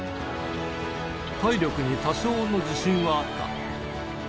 体力に多少の自信はあった。